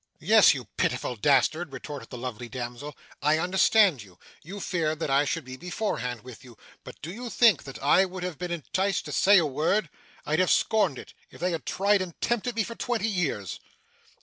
'Yes, you pitiful dastard,' retorted the lovely damsel, 'I understand you. You feared that I should be beforehand with you. But do you think that I would have been enticed to say a word! I'd have scorned it, if they had tried and tempted me for twenty years.